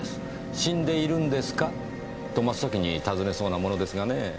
「死んでいるんですか？」と真っ先に尋ねそうなものですがねぇ。